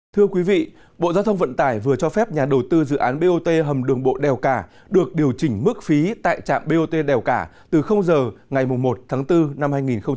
thưa quý vị bộ giao thông vận tải vừa cho phép nhà đầu tư dự án bot hầm đường bộ đèo cả được điều chỉnh mức phí tại trạm bot đèo cả từ giờ ngày một tháng bốn năm hai nghìn hai mươi